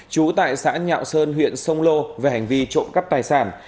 trú tại xã nhạo sơn huyện sông lô về hành vi trộm cắp tài sản